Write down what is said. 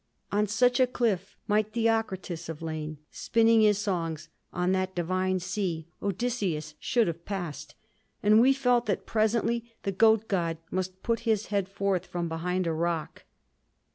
On such a cliff might Theocritus have lain, spinning his songs; on that divine sea Odysseus should have passed. And we felt that presently the goat god must put his head forth from behind a rock.